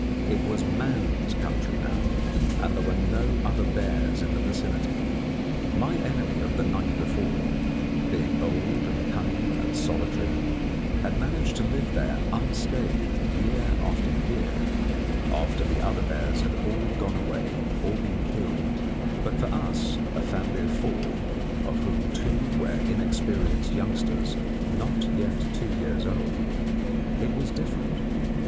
It was man's country now, and there were no other bears in the vicinity. My enemy of the night before, being old and cunning and solitary, had managed to live there unscathed year after year, after the other bears had all gone away or been killed; but for us, a family of four, of whom two were inexperienced youngsters not yet two years old, it was different.